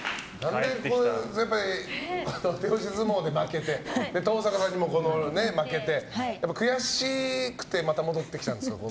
前回、手押し相撲負けて登坂さんにも負けて悔しくてまた戻ってきたんですね。